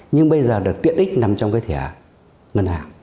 nhưng bây giờ được tiện ích nằm trong cái thẻ ngân hàng